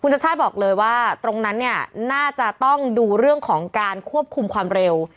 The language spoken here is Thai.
ชาติชาติบอกเลยว่าตรงนั้นเนี่ยน่าจะต้องดูเรื่องของการควบคุมความเร็ว